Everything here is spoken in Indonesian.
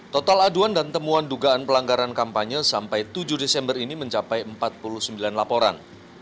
total aduan dan temuan dugaan pelanggaran kampanye sampai tujuh desember ini mencapai empat puluh sembilan laporan